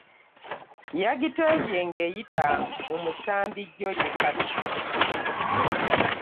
Yagiteebye ng'eyita mu musambi George Kaddu.